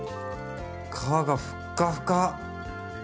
皮がふっかふか。